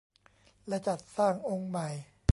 และจัดสร้างองค์ใหม่